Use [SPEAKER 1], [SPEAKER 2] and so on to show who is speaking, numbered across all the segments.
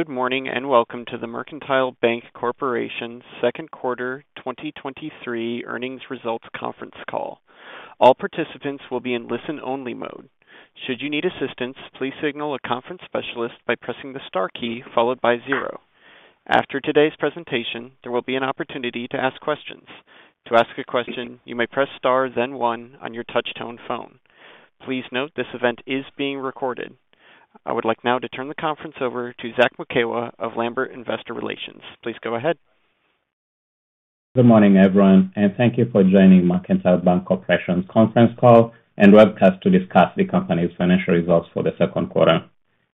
[SPEAKER 1] Good morning, welcome to the Mercantile Bank Corporation Q2 2023 Earnings Results Conference Call. All participants will be in listen-only mode. Should you need assistance, please signal a conference specialist by pressing the Star key followed by zero. After today's presentation, there will be an opportunity to ask questions. To ask a question, you may press Star, then one on your touchtone phone. Please note this event is being recorded. I would like now to turn the conference over to Zack Mukewa of Lambert Investor Relations. Please go ahead.
[SPEAKER 2] Good morning, everyone, Thank you for joining Mercantile Bank Corporation's conference call and webcast to discuss the company's financial results for the Q2.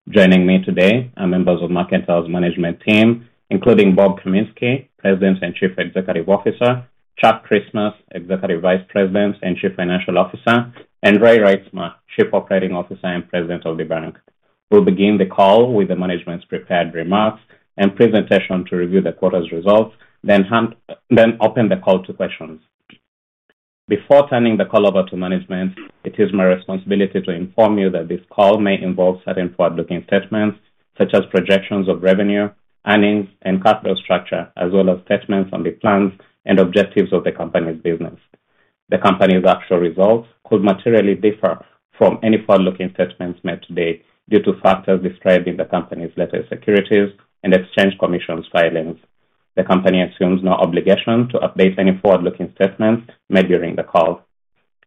[SPEAKER 2] Joining me today are members of Mercantile's management team, including Bob Kaminski, President and Chief Executive Officer, Chuck Christmas, Executive Vice President and Chief Financial Officer, and Ray Reitsma, Chief Operating Officer and President of the bank. We'll begin the call with the management's prepared remarks and presentation to review the quarter's results, open the call to questions. Before turning the call over to management, it is my responsibility to inform you that this call may involve certain forward-looking statements such as projections of revenue, earnings, and capital structure, as well as statements on the plans and objectives of the company's business. The company's actual results could materially differ from any forward-looking statements made today due to factors described in the company's Letter Securities and Exchange Commission's filings. The company assumes no obligation to update any forward-looking statements made during the call.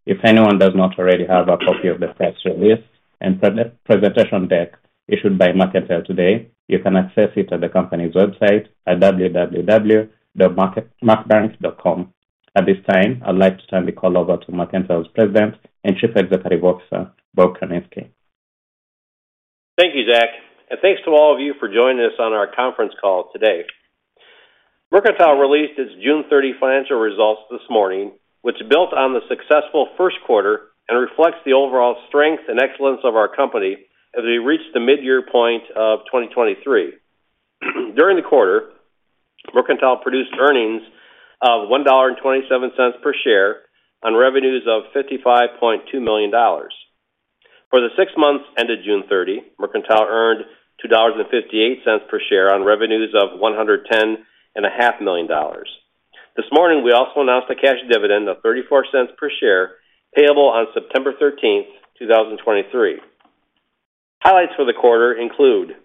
[SPEAKER 2] If anyone does not already have a copy of the press release and pre- presentation deck issued by Mercantile today, you can access it at the company's website at www.mercbank.com. At this time, I'd like to turn the call over to Mercantile's President and Chief Executive Officer, Bob Kaminski.
[SPEAKER 3] Thank you, Zach, thanks to all of you for joining us on our conference call today. Mercantile released its June 30 financial results this morning, which built on the successful Q1 and reflects the overall strength and excellence of our company as we reach the mid-year point of 2023. During the quarter, Mercantile produced earnings of $1.27 per share on revenues of $55.2 million. For the six months ended June 30, Mercantile earned $2.58 per share on revenues of $110 and a half million dollars. This morning, we also announced a cash dividend of $0.34 per share, payable on September 13th, 2023. Highlights for the quarter include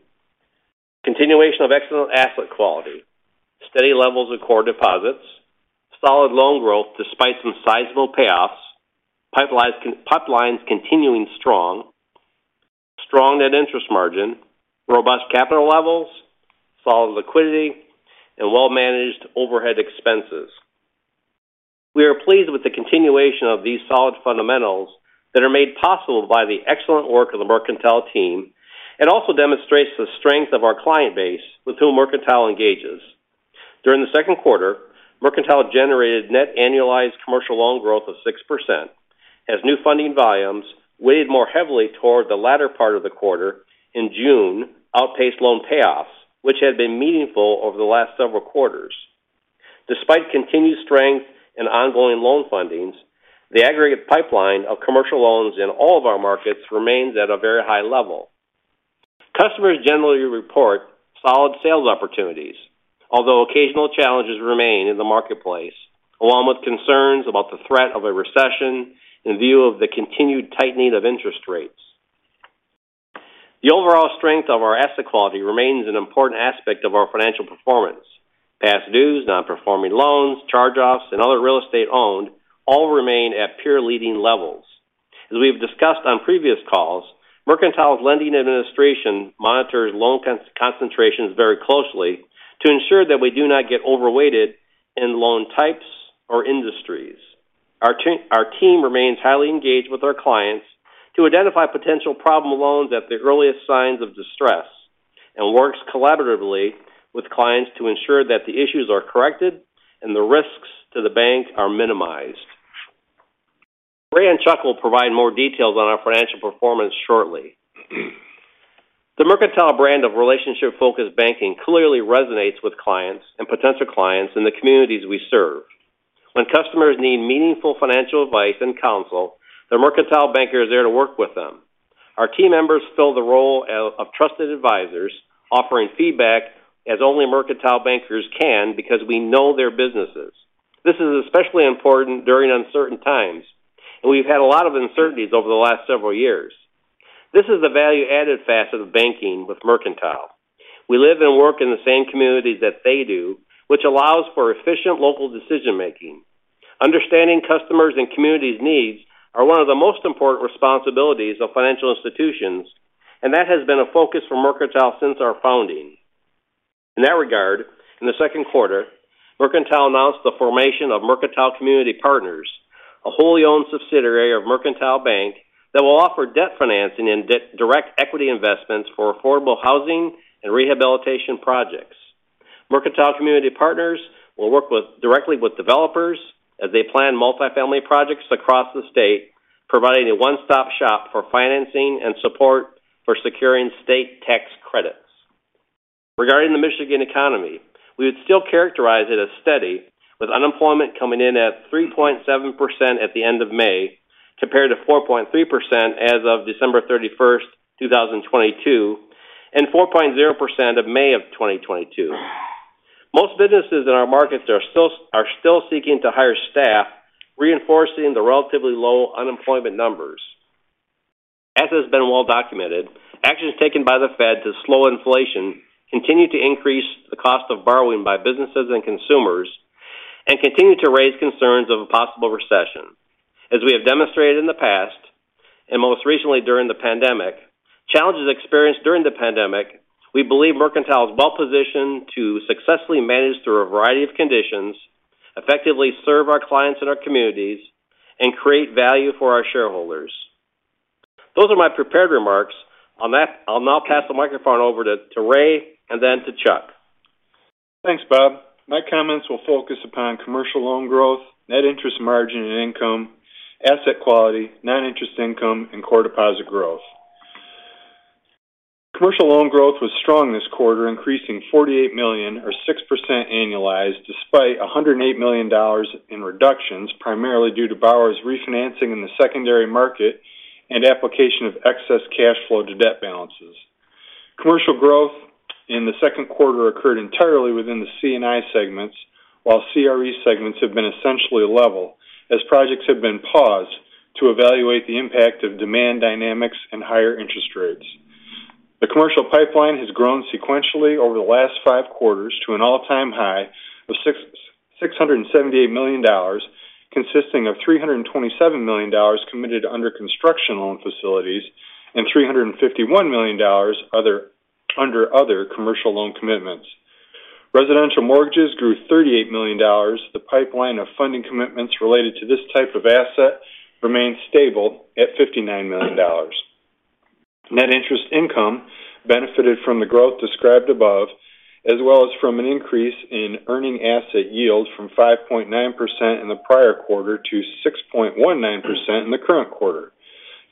[SPEAKER 3] continuation of excellent asset quality, steady levels of core deposits, solid loan growth despite some sizable payoffs, pipelines continuing strong net interest margin, robust capital levels, solid liquidity, and well-managed overhead expenses. We are pleased with the continuation of these solid fundamentals that are made possible by the excellent work of the Mercantile team and also demonstrates the strength of our client base with whom Mercantile engages. During the Q2, Mercantile generated net annualized commercial loan growth of 6%, as new funding volumes weighed more heavily toward the latter part of the quarter in June, outpaced loan payoffs, which had been meaningful over the last several quarters. Despite continued strength in ongoing loan fundings, the aggregate pipeline of commercial loans in all of our markets remains at a very high level. Customers generally report solid sales opportunities, although occasional challenges remain in the marketplace, along with concerns about the threat of a recession in view of the continued tightening of interest rates. The overall strength of our asset quality remains an important aspect of our financial performance. Past dues, non-performing loans, charge-offs, and other real estate owned all remain at peer leading levels. As we've discussed on previous calls, Mercantile's lending administration monitors loan concentrations very closely to ensure that we do not get overweighted in loan types or industries. Our team remains highly engaged with our clients to identify potential problem loans at the earliest signs of distress, and works collaboratively with clients to ensure that the issues are corrected and the risks to the bank are minimized. Ray and Chuck will provide more details on our financial performance shortly. The Mercantile brand of relationship-focused banking clearly resonates with clients and potential clients in the communities we serve. When customers need meaningful financial advice and counsel, the Mercantile banker is there to work with them. Our team members fill the role of trusted advisors, offering feedback as only Mercantile bankers can because we know their businesses. This is especially important during uncertain times, and we've had a lot of uncertainties over the last several years. This is a value-added facet of banking with Mercantile. We live and work in the same communities that they do, which allows for efficient local decision-making. Understanding customers' and communities' needs are one of the most important responsibilities of financial institutions, and that has been a focus for Mercantile since our founding. In that regard, in the Q2, Mercantile announced the formation of Mercantile Community Partners, a wholly owned subsidiary of Mercantile Bank that will offer debt financing and direct equity investments for affordable housing and rehabilitation projects. Mercantile Community Partners will work directly with developers as they plan multifamily projects across the state, providing a one-stop shop for financing and support for securing state tax credits. Regarding Michigan economy. We would still characterize it as steady, with unemployment coming in at 3.7% at the end of May, compared to 4.3% as of December 31, 2022, and 4.0% of May of 2022. Most businesses in our markets are still seeking to hire staff, reinforcing the relatively low unemployment numbers. As has been well documented, actions taken by the Fed to slow inflation continue to increase the cost of borrowing by businesses and consumers, and continue to raise concerns of a possible recession. As we have demonstrated in the past, and most recently during the pandemic, challenges experienced during the pandemic, we believe Mercantile is well-positioned to successfully manage through a variety of conditions, effectively serve our clients in our communities, and create value for our shareholders. Those are my prepared remarks. On that, I'll now pass the microphone over to Ray and then to Chuck.
[SPEAKER 4] Thanks, Bob. My comments will focus upon commercial loan growth, net interest margin and income, asset quality, non-interest income, and core deposit growth. Commercial loan growth was strong this quarter, increasing $48 million or 6% annualized, despite $108 million in reductions, primarily due to borrowers refinancing in the secondary market and application of excess cash flow to debt balances. Commercial growth in the Q2 occurred entirely within the C&I segments, while CRE segments have been essentially level, as projects have been paused to evaluate the impact of demand dynamics and higher interest rates. The commercial pipeline has grown sequentially over the last five quarters to an all-time high of $678 million, consisting of $327 million committed under construction loan facilities and $351 million under other commercial loan commitments. Residential mortgages grew $38 million. The pipeline of funding commitments related to this type of asset remains stable at $59 million. Net interest income benefited from the growth described above, as well as from an increase in earning asset yield from 5.9% in the prior quarter to 6.19% in the current quarter.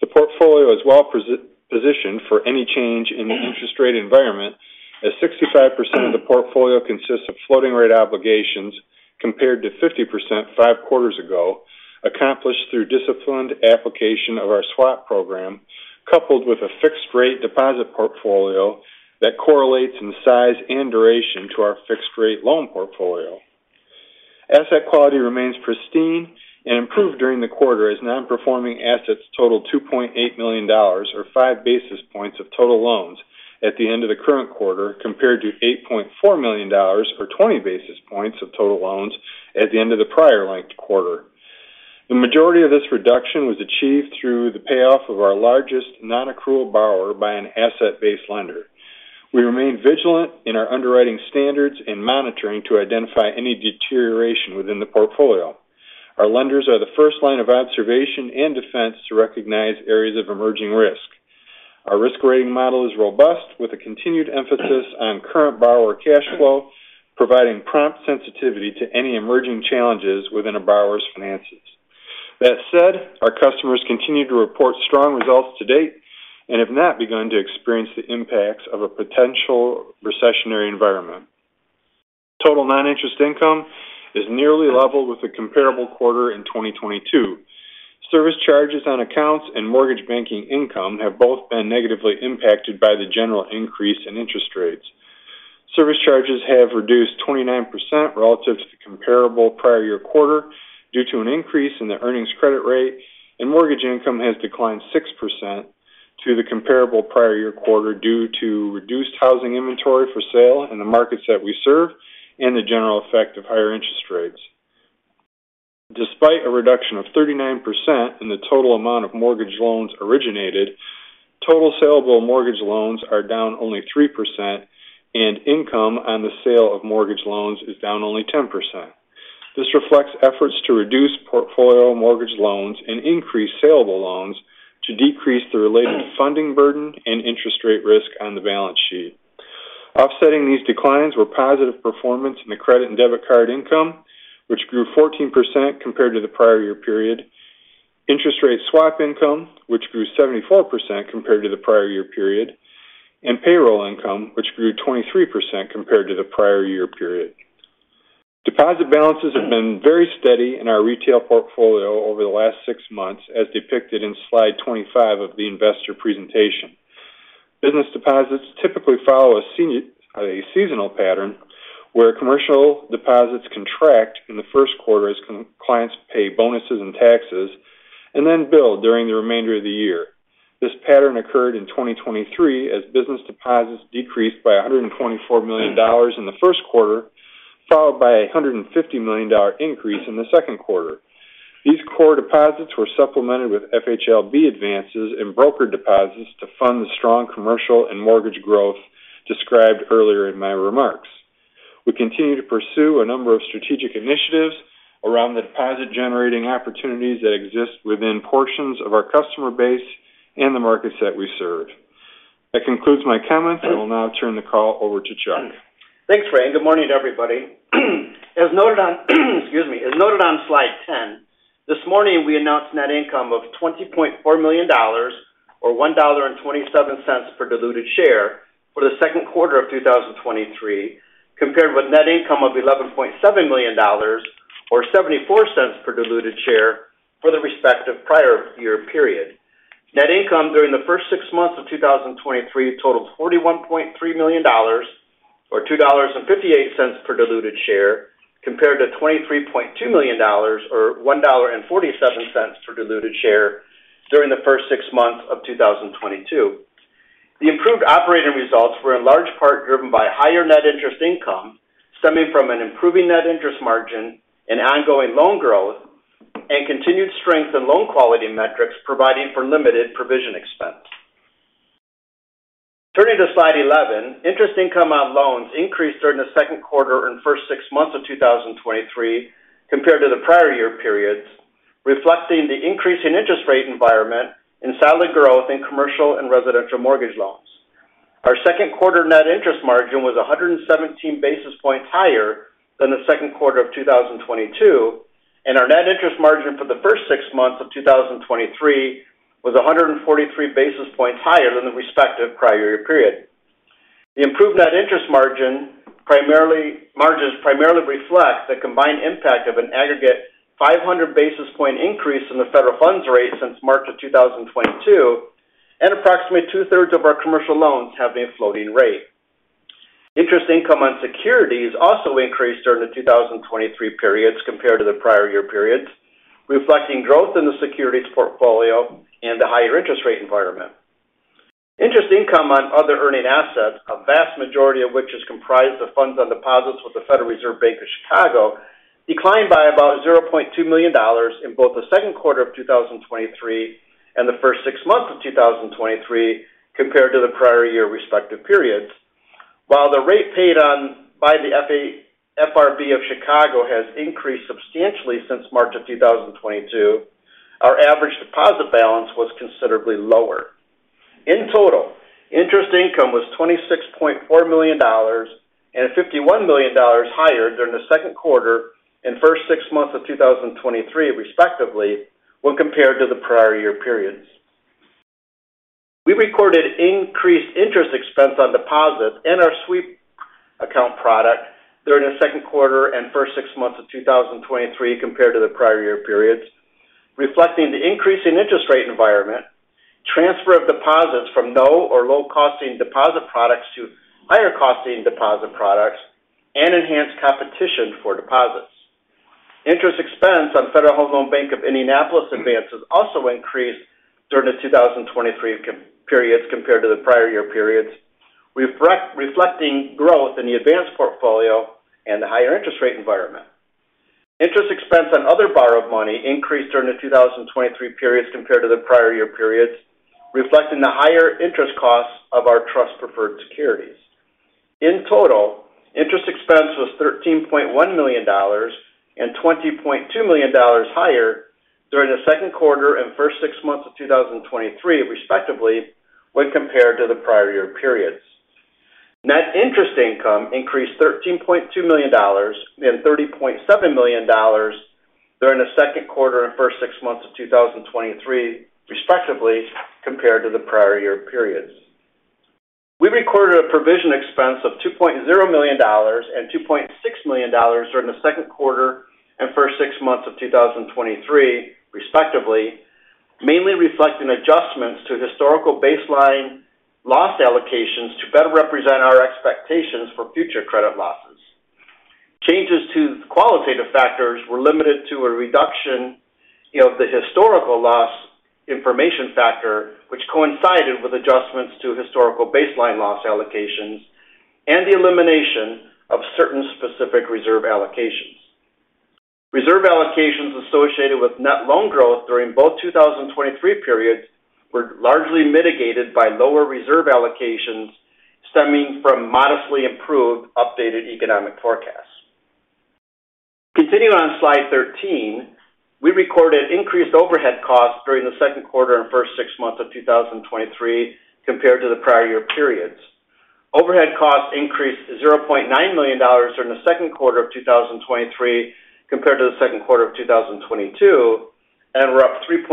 [SPEAKER 4] The portfolio is well positioned for any change in the interest rate environment, as 65% of the portfolio consists of floating rate obligations, compared to 50% five quarters ago, accomplished through disciplined application of our swap program, coupled with a fixed rate deposit portfolio that correlates in size and duration to our fixed rate loan portfolio. Asset quality remains pristine and improved during the quarter, as non-performing assets totaled $2.8 million, or five basis points of total loans at the end of the current quarter, compared to $8.4 million, or 20 basis points of total loans, at the end of the prior linked quarter. The majority of this reduction was achieved through the payoff of our largest non-accrual borrower by an asset-based lender. We remain vigilant in our underwriting standards and monitoring to identify any deterioration within the portfolio. Our lenders are the first line of observation and defense to recognize areas of emerging risk. Our risk rating model is robust, with a continued emphasis on current borrower cash flow, providing prompt sensitivity to any emerging challenges within a borrower's finances. That said, our customers continue to report strong results to date and have not begun to experience the impacts of a potential recessionary environment. Total non-interest income is nearly level with the comparable quarter in 2022. Service charges on accounts and mortgage banking income have both been negatively impacted by the general increase in interest rates. Service charges have reduced 29% relative to comparable prior year quarter due to an increase in the earnings credit rate, and mortgage income has declined 6% to the comparable prior year quarter due to reduced housing inventory for sale in the markets that we serve and the general effect of higher interest rates. Despite a reduction of 39% in the total amount of mortgage loans originated, total salable mortgage loans are down only 3%, and income on the sale of mortgage loans is down only 10%. This reflects efforts to reduce portfolio mortgage loans and increase salable loans to decrease the related funding burden and interest rate risk on the balance sheet. Offsetting these declines were positive performance in the credit and debit card income, which grew 14% compared to the prior year period, interest rate swap income, which grew 74% compared to the prior year period, and payroll income, which grew 23% compared to the prior year period. Deposit balances have been very steady in our retail portfolio over the last six months, as depicted in slide 25 of the investor presentation. Business deposits typically follow a seasonal pattern, where commercial deposits contract in the Q1 as clients pay bonuses and taxes, and then build during the remainder of the year. This pattern occurred in 2023, as business deposits decreased by $124 million in the Q1, followed by a $150 million increase in the Q2. These core deposits were supplemented with FHLB advances and broker deposits to fund the strong commercial and mortgage growth described earlier in my remarks. We continue to pursue a number of strategic initiatives around the deposit-generating opportunities that exist within portions of our customer base and the markets that we serve. That concludes my comments. I will now turn the call over to Chuck.
[SPEAKER 5] Thanks, Ray. Good morning, everybody. Excuse me. As noted on slide 10. This morning, we announced net income of $20.4 million or $1.27 per diluted share for the Q2 of 2023, compared with net income of $11.7 million or $0.74 per diluted share for the respective prior year period. Net income during the first six months of 2023 totaled $41.3 million or $2.58 per diluted share, compared to $23.2 million or $1.47 per diluted share during the first six months of 2022. The improved operating results were in large part driven by higher net interest income, stemming from an improving net interest margin and ongoing loan growth, and continued strength in loan quality metrics, providing for limited provision expense. Turning to Slide 11, interest income on loans increased during the Q2 and first six months of 2023 compared to the prior year periods, reflecting the increase in interest rate environment and solid growth in commercial and residential mortgage loans. Our Q2 net interest margin was 117 basis points higher than the Q2 of 2022. Our net interest margin for the first six months of 2023 was 143 basis points higher than the respective prior year period. The improved net interest margins primarily reflect the combined impact of an aggregate 500 basis point increase in the federal funds rate since March of 2022, approximately two-thirds of our commercial loans have been floating rate. Interest income on securities also increased during the 2023 periods compared to the prior year periods, reflecting growth in the securities portfolio and the higher interest rate environment. Interest income on other earning assets, a vast majority of which is comprised of funds on deposits with the Federal Reserve Bank of Chicago, declined by about $0.2 million in both the Q2 of 2023 and the first six months of 2023 compared to the prior year respective periods. While the rate paid on by the FRB of Chicago has increased substantially since March of 2022, our average deposit balance was considerably lower. In total, interest income was $26.4 million and $51 million higher during the Q2 and first six months of 2023, respectively, when compared to the prior year periods. We recorded increased interest expense on deposits in our sweep account product during the Q2 and first six months of 2023 compared to the prior year periods, reflecting the increase in interest rate environment, transfer of deposits from no or low costing deposit products to higher costing deposit products, and enhanced competition for deposits. Interest expense on Federal Home Loan Bank of Indianapolis advances also increased during the 2023 periods compared to the prior year periods, reflecting growth in the advanced portfolio and the higher interest rate environment. Interest expense on other borrowed money increased during the 2023 periods compared to the prior year periods, reflecting the higher interest costs of our trust preferred securities. In total, interest expense was $13.1 million and $20.2 million higher during the Q2 and first six months of 2023, respectively, when compared to the prior year periods. Net interest income increased $13.2 million and $30.7 million during the Q2 and first six months of 2023, respectively, compared to the prior year periods. We recorded a provision expense of $2.0 million and $2.6 million during the Q2 and first six months of 2023, respectively, mainly reflecting adjustments to historical baseline loss allocations to better represent our expectations for future credit losses. Changes to qualitative factors were limited to a reduction of the historical loss information factor, which coincided with adjustments to historical baseline loss allocations and the elimination of certain specific reserve allocations. Reserve allocations associated with net loan growth during both 2023 periods were largely mitigated by lower reserve allocations, stemming from modestly improved updated economic forecasts. Continuing on Slide 13, we recorded increased overhead costs during the Q2 and first six months of 2023 compared to the prior year periods. Overhead costs increased $0.9 million during the Q2 of 2023 compared to the Q2 of 2022, and were up $3.7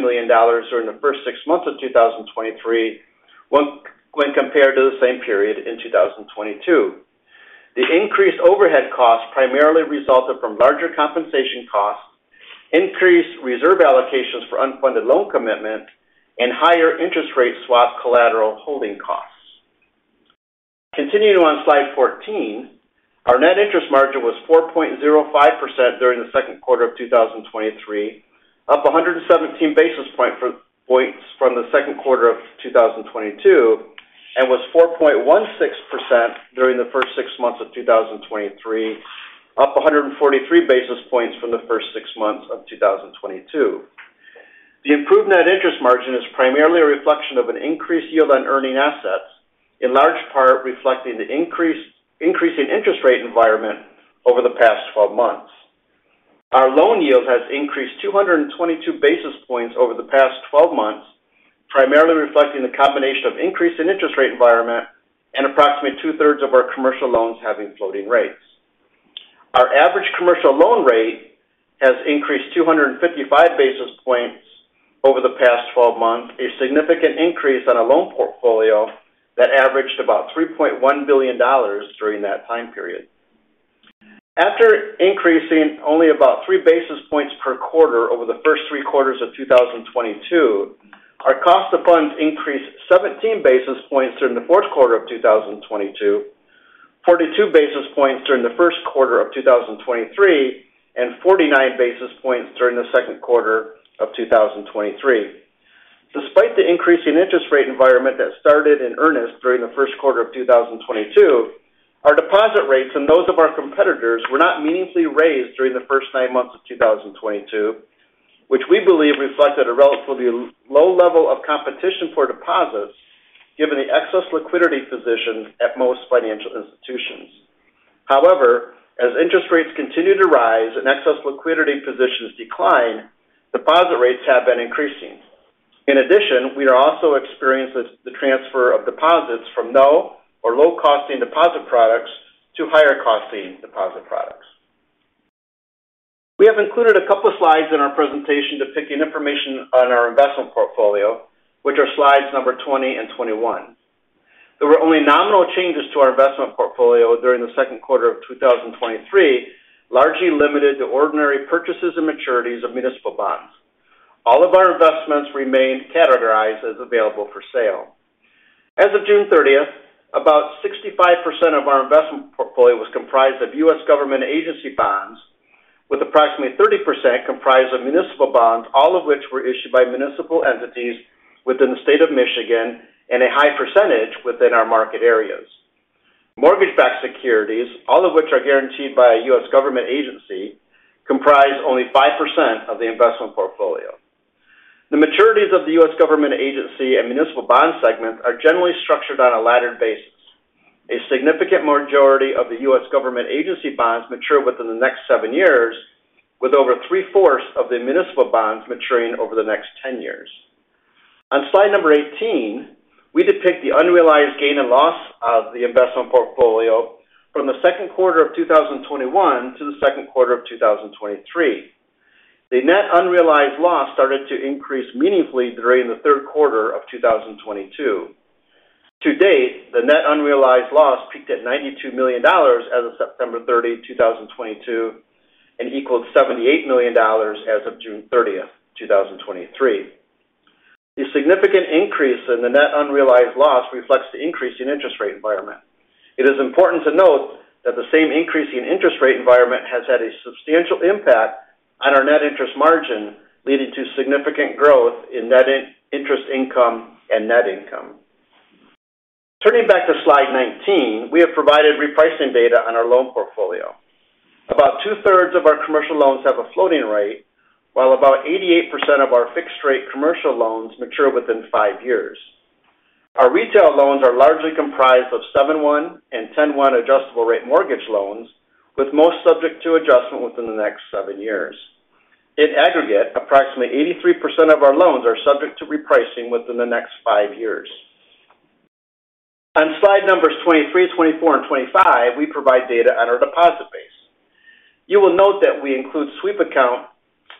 [SPEAKER 5] million during the first six months of 2023, when compared to the same period in 2022. The increased overhead costs primarily resulted from larger compensation costs, increased reserve allocations for unfunded loan commitment, and higher interest rate swap collateral holding costs. Continuing on Slide 14, our net interest margin was 4.05% during the Q2 of 2023, up 117 basis points from the Q2 of 2022, and was 4.16% during the first six months of 2023, up 143 basis points from the first six months of 2022. The improved net interest margin is primarily a reflection of an increased yield on earning assets, in large part reflecting the increase in interest rate environment over the past 12 months. Our loan yield has increased 222 basis points over the past 12 months. Primarily reflecting the combination of increase in interest rate environment and approximately two-thirds of our commercial loans having floating rates. Our average commercial loan rate has increased 255 basis points over the past 12 months, a significant increase on a loan portfolio that averaged about $3.1 billion during that time period. After increasing only about three basis points per quarter over the first three quarters of 2022, our cost of funds increased 17 basis points during the Q4 of 2022, 42 basis points during the Q1 of 2023, and 49 basis points during the Q2 of 2023. Despite the increase in interest rate environment that started in earnest during the Q1 of 2022, our deposit rates and those of our competitors were not meaningfully raised during the 1st 9 months of 2022, which we believe reflected a relatively low level of competition for deposits, given the excess liquidity position at most financial institutions. As interest rates continue to rise and excess liquidity positions decline, deposit rates have been increasing. In addition, we are also experiencing the transfer of deposits from no or low-costing deposit products to higher-costing deposit products. We have included a couple of slides in our presentation depicting information on our investment portfolio, which are slides number 20 and 21. There were only nominal changes to our investment portfolio during the Q2 of 2023, largely limited to ordinary purchases and maturities of municipal bonds. All of our investments remained categorized as available for sale. As of June 30th, about 65% of our investment portfolio was comprised of US government agency bonds, with approximately 30% comprised of municipal bonds, all of which were issued by municipal entities within the state of Michigan and a high percentage within our market areas. Mortgage-backed securities, all of which are guaranteed by a US government agency, comprise only 5% of the investment portfolio. The maturities of the US government agency and municipal bond segments are generally structured on a laddered basis. A significant majority of the US government agency bonds mature within the next seven years, with over three-fourths of the municipal bonds maturing over the next 10 years. On slide number 18, we depict the unrealized gain and loss of the investment portfolio from the Q2 of 2021 to the Q2 of 2023. The net unrealized loss started to increase meaningfully during the Q3 of 2022. To date, the net unrealized loss peaked at $92 million as of September 30, 2022, and equaled $78 million as of June 30th, 2023. The significant increase in the net unrealized loss reflects the increase in interest rate environment. It is important to note that the same increase in interest rate environment has had a substantial impact on our net interest margin, leading to significant growth in net interest income and net income. Turning back to slide 19, we have provided repricing data on our loan portfolio. About two-thirds of our commercial loans have a floating rate, while about 88% of our fixed-rate commercial loans mature within five years. Our retail loans are largely comprised of 7/1 and 10/1 adjustable rate mortgage loans, with most subject to adjustment within the next seven years. In aggregate, approximately 83% of our loans are subject to repricing within the next five years. On slide numbers 23, 24, and 25, we provide data on our deposit base. You will note that we include sweep account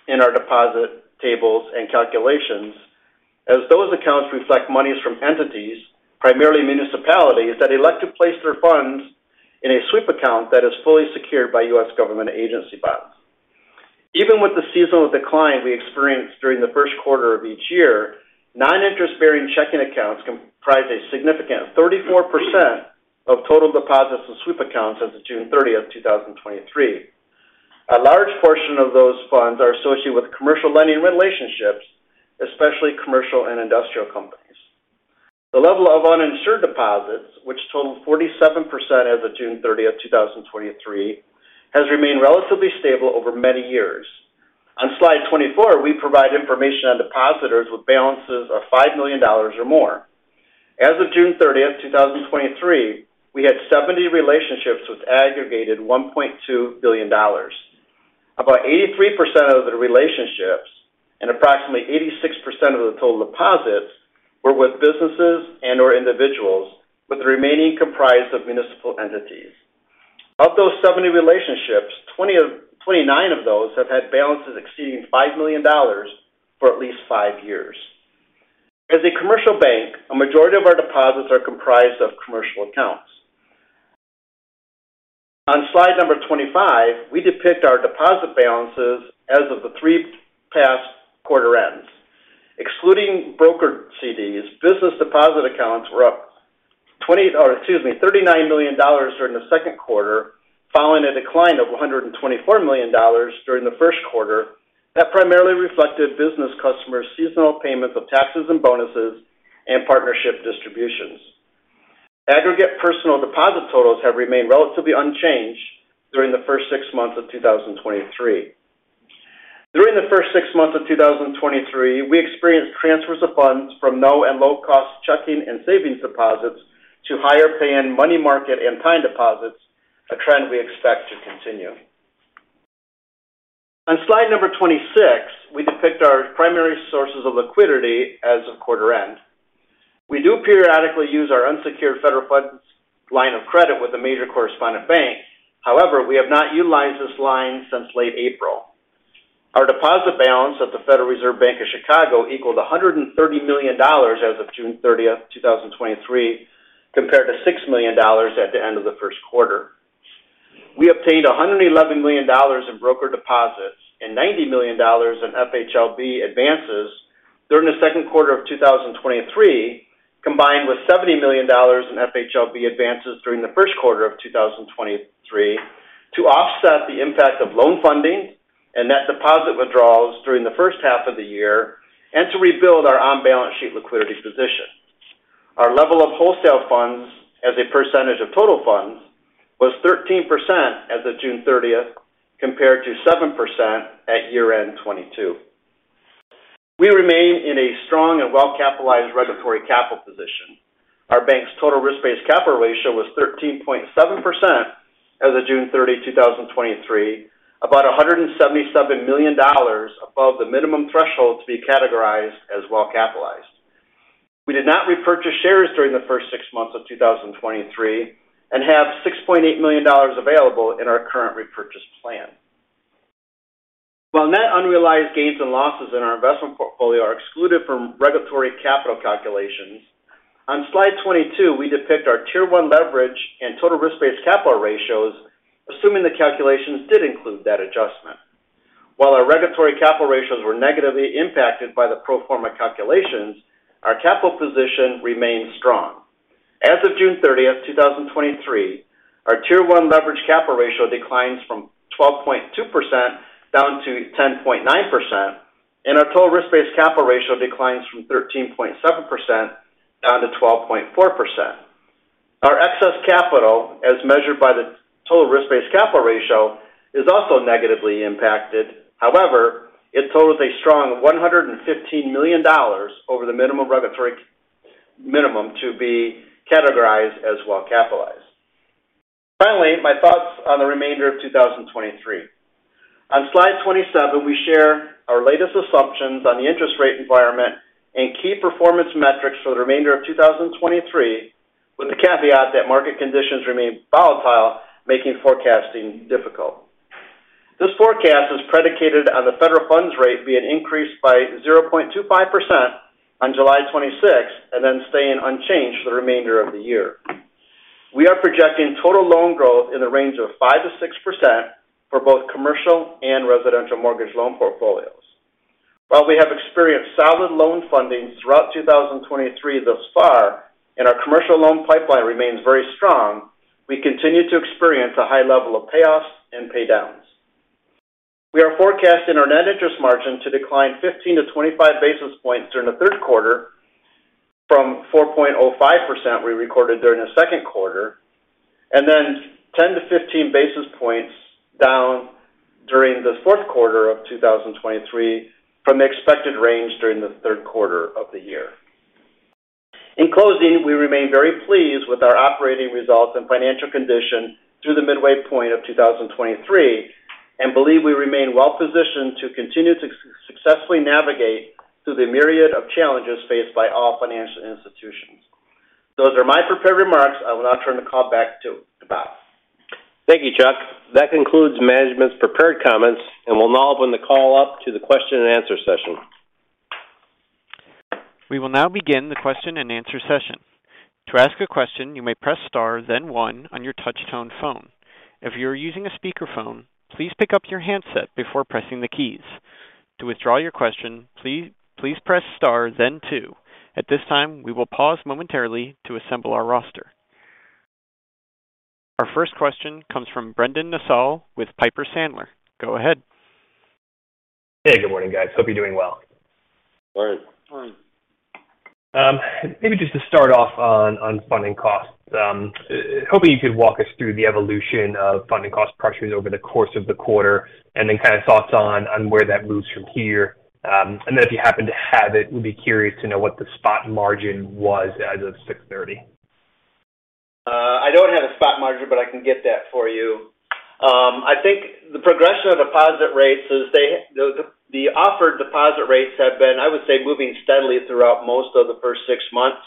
[SPEAKER 5] in our deposit tables and calculations, as those accounts reflect monies from entities, primarily municipalities, that elect to place their funds in a sweep account that is fully secured by US government agency bonds. Even with the seasonal decline we experienced during the Q1 of each year, non-interest-bearing checking accounts comprise a significant 34% of total deposits and sweep accounts as of June 30, 2023. A large portion of those funds are associated with commercial lending relationships, especially commercial and industrial companies. The level of uninsured deposits, which totaled 47% as of June 30, 2023, has remained relatively stable over many years. On slide 24, we provide information on depositors with balances of $5 million or more. As of June 30th, 2023, we had 70 relationships with aggregated $1.2 billion. About 83% of the relationships and approximately 86% of the total deposits were with businesses and/or individuals, with the remaining comprised of municipal entities. Of those 70 relationships, 29 of those have had balances exceeding $5 million for at least five years. As a commercial bank, a majority of our deposits are comprised of commercial accounts. On slide number 25, we depict our deposit balances as of the three past quarter ends. Excluding brokered CDs, business deposit accounts were up $39 million during the Q2, following a decline of $124 million during the Q1. That primarily reflected business customers' seasonal payments of taxes and bonuses and partnership distributions. Aggregate personal deposit totals have remained relatively unchanged during the first six months of 2023. During the first six months of 2023, we experienced transfers of funds from low and low-cost checking and savings deposits to higher paying money market and time deposits, a trend we expect to continue. On slide number 26, we depict our primary sources of liquidity as of quarter end. We do periodically use our unsecured federal funds line of credit with a major correspondent bank. We have not utilized this line since late April. Our deposit balance at the Federal Reserve Bank of Chicago equaled $130 million as of June 30th, 2023, compared to $6 million at the end of the Q1. We obtained $111 million in broker deposits and $90 million in FHLB advances during the Q2 of 2023, combined with $70 million in FHLB advances during the Q1 of 2023, to offset the impact of loan funding and net deposit withdrawals during the first half of the year, and to rebuild our on-balance sheet liquidity position. Our level of wholesale funds as a percentage of total funds was 13% as of June 30, compared to 7% at year-end 2022. We remain in a strong and well-capitalized regulatory capital position. Our bank's total risk-based capital ratio was 13.7% as of June 30, 2023, about $177 million above the minimum threshold to be categorized as well-capitalized. We did not repurchase shares during the first six months of 2023 and have $6.8 million available in our current repurchase plan. While net unrealized gains and losses in our investment portfolio are excluded from regulatory capital calculations, on slide 22, we depict our Tier one leverage and total risk-based capital ratios, assuming the calculations did include that adjustment. While our regulatory capital ratios were negatively impacted by the pro forma calculations, our capital position remains strong. As of June 30, 2023, our Tier one leverage capital ratio declines from 12.2% down to 10.9%, and our total risk-based capital ratio declines from 13.7% down to 12.4%. Our excess capital, as measured by the total risk-based capital ratio, is also negatively impacted. However, it totals a strong $115 million over the minimum regulatory minimum to be categorized as well-capitalized. Finally, my thoughts on the remainder of 2023. On slide 27, we share our latest assumptions on the interest rate environment and key performance metrics for the remainder of 2023, with the caveat that market conditions remain volatile, making forecasting difficult. This forecast is predicated on the federal funds rate being increased by 0.25% on July 26, and then staying unchanged for the remainder of the year. We are projecting total loan growth in the range of 5 to 6% for both commercial and residential mortgage loan portfolios. While we have experienced solid loan funding throughout 2023 thus far, our commercial loan pipeline remains very strong, we continue to experience a high level of payoffs and paydowns. We are forecasting our net interest margin to decline 15 to 25 basis points during the Q3 from 4.05% we recorded during the Q2, then 10 to 15 basis points down during the Q4 of 2023 from the expected range during the Q3 of the year. In closing, we remain very pleased with our operating results and financial condition through the midway point of 2023, believe we remain well positioned to continue to successfully navigate through the myriad of challenges faced by all financial institutions. Those are my prepared remarks. I will now turn the call back to Bob.
[SPEAKER 3] Thank you, Chuck. That concludes management's prepared comments, and we'll now open the call up to the question and answer session.
[SPEAKER 1] We will now begin the question and answer session. To ask a question, you may press star then one on your touchtone phone. If you are using a speakerphone, please pick up your handset before pressing the keys. To withdraw your question, please press star then two. At this time, we will pause momentarily to assemble our roster. Our first question comes from Brendan Nosal with Piper Sandler. Go ahead.
[SPEAKER 6] Hey, good morning, guys. Hope you're doing well.
[SPEAKER 5] Morning.
[SPEAKER 3] Morning.
[SPEAKER 6] Maybe just to start off on funding costs. Hoping you could walk us through the evolution of funding cost pressures over the course of the quarter, and then kind of thoughts on where that moves from here. If you happen to have it, we'd be curious to know what the spot margin was as of 6/30.
[SPEAKER 5] I don't have a spot margin, but I can get that for you. I think the progression of deposit rates is the offered deposit rates have been, I would say, moving steadily throughout most of the first six months.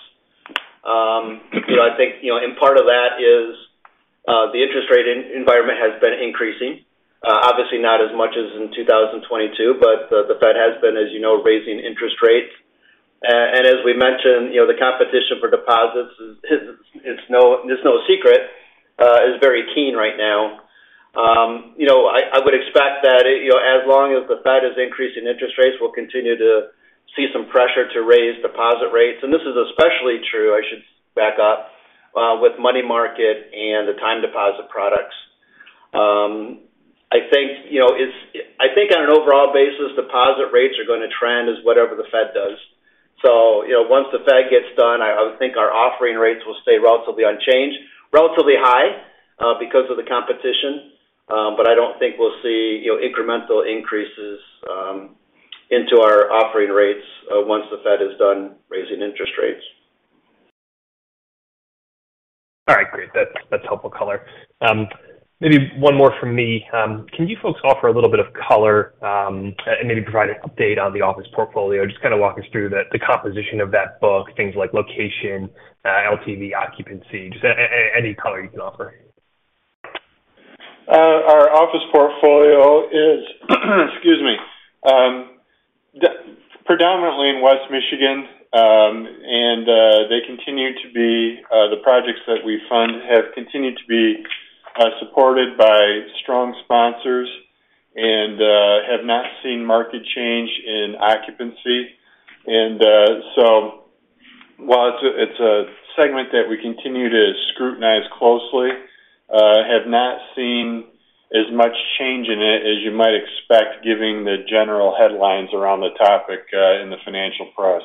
[SPEAKER 5] You know, I think, you know, part of that is the interest rate environment has been increasing. Obviously not as much as in 2022, the Fed has been, as you know, raising interest rates. As we mentioned, you know, the competition for deposits is no secret, is very keen right now. You know, I would expect that, you know, as long as the Fed is increasing interest rates, we'll continue to see some pressure to raise deposit rates. This is especially true, I should back up, with money market and the time deposit products. I think, you know, I think on an overall basis, deposit rates are going to trend as whatever the Fed does. You know, once the Fed gets done, I would think our offering rates will stay relatively unchanged, relatively high, because of the competition. I don't think we'll see, you know, incremental increases, into our offering rates, once the Fed is done raising interest rates.
[SPEAKER 6] That's helpful color. Maybe one more from me. Can you folks offer a little bit of color and maybe provide an update on the office portfolio? Just kind of walk us through the composition of that book, things like location, LTV, occupancy, just any color you can offer.
[SPEAKER 4] Our office portfolio is, excuse me, predominantly in West Michigan. They continue to be, the projects that we fund have continued to be, supported by strong sponsors and have not seen market change in occupancy. While it's a, it's a segment that we continue to scrutinize closely, have not seen as much change in it as you might expect, given the general headlines around the topic, in the financial press.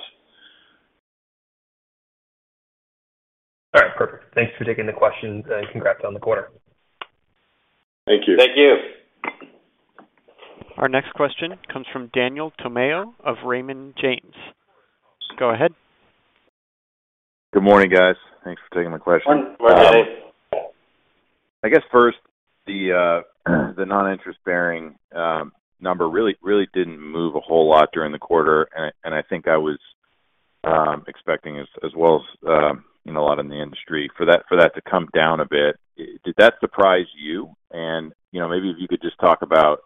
[SPEAKER 6] All right, perfect. Thanks for taking the question, and congrats on the quarter.
[SPEAKER 4] Thank you.
[SPEAKER 5] Thank you.
[SPEAKER 1] Our next question comes from Daniel Tamayo of Raymond James. Go ahead.
[SPEAKER 7] Good morning, guys. Thanks for taking my question.
[SPEAKER 5] Good morning.
[SPEAKER 7] I guess first, the non-interest bearing number really didn't move a whole lot during the quarter, and I think I was expecting as well as, you know, a lot in the industry for that to come down a bit. Did that surprise you? You know, maybe if you could just talk about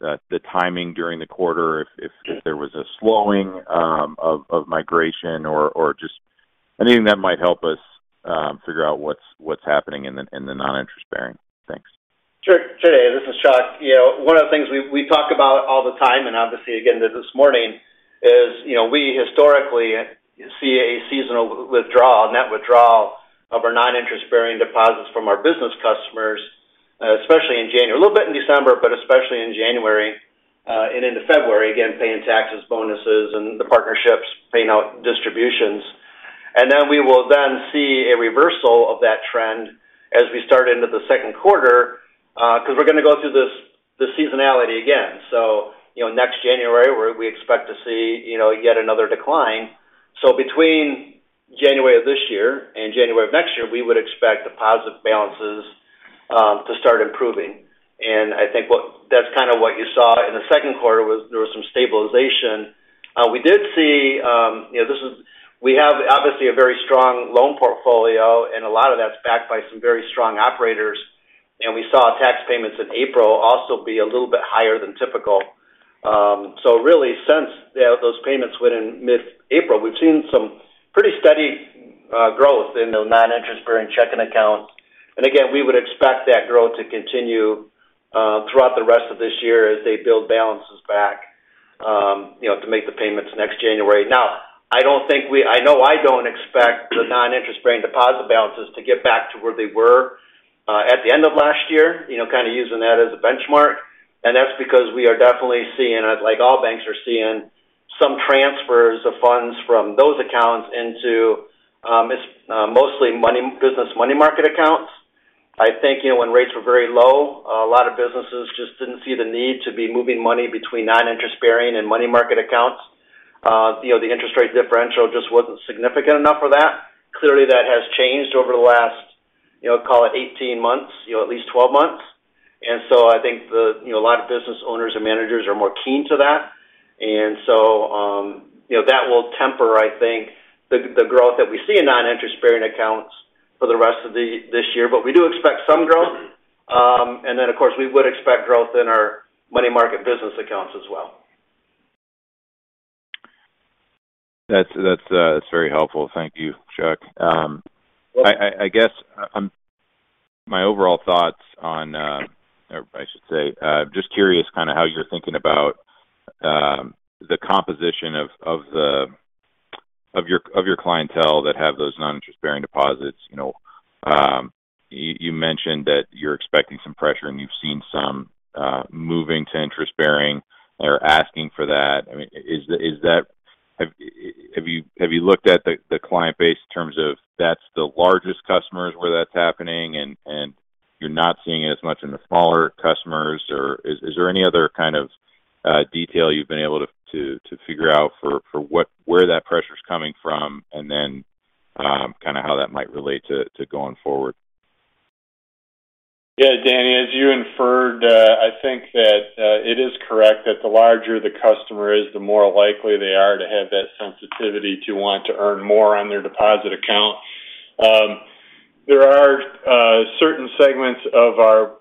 [SPEAKER 7] the timing during the quarter, if there was a slowing of migration or just anything that might help us figure out what's happening in the non-interest bearing. Thanks.
[SPEAKER 5] Sure. Today, this is Chuck. You know, one of the things we talk about all the time, and obviously again this morning, is, you know, we historically see a seasonal withdrawal, net withdrawal of our non-interest bearing deposits from our business customers, especially in January. A little bit in December, but especially in January, and into February, again, paying taxes, bonuses, and the partnerships, paying out distributions. Then we will then see a reversal of that trend as we start into the Q2, because we're going to go through this, the seasonality again. You know, next January, we expect to see, you know, yet another decline. Between January of this year and January of next year, we would expect deposit balances to start improving. I think that's kind of what you saw in the Q2, was there was some stabilization. We did see, you know, this is we have, obviously, a very strong loan portfolio, and a lot of that's backed by some very strong operators. We saw tax payments in April also be a little bit higher than typical. So really, since, you know, those payments went in mid-April, we've seen some pretty steady growth in the non-interest bearing checking accounts. Again, we would expect that growth to continue throughout the rest of this year as they build balances back, you know, to make the payments next January. Now, I know I don't expect the non-interest bearing deposit balances to get back to where they were at the end of last year, you know, kind of using that as a benchmark. That's because we are definitely seeing, like all banks are seeing, some transfers of funds from those accounts into, it's mostly business money market accounts. I think, you know, when rates were very low, a lot of businesses just didn't see the need to be moving money between non-interest bearing and money market accounts. You know, the interest rate differential just wasn't significant enough for that. Clearly, that has changed over the last, you know, call it 18 months, you know, at least 12 months. I think the, you know, a lot of business owners and managers are more keen to that. you know, that will temper, I think, the growth that we see in non-interest bearing accounts for the rest of this year. We do expect some growth. Of course, we would expect growth in our money market business accounts as well.
[SPEAKER 7] That's very helpful. Thank you, Chuck. I guess my overall thoughts on, or I should say, just curious kind of how you're thinking about the composition of the, of your clientele that have those non-interest bearing deposits. You know, you mentioned that you're expecting some pressure, and you've seen some moving to interest bearing or asking for that. I mean, is that have you looked at the client base in terms of that's the largest customers where that's happening, and you're not seeing it as much in the smaller customers? Is there any other kind of detail you've been able to figure out for where that pressure is coming from, and then kind of how that might relate to going forward?
[SPEAKER 4] Yeah, Danny, as you inferred, I think that it is correct that the larger the customer is, the more likely they are to have that sensitivity to want to earn more on their deposit account. There are certain segments of our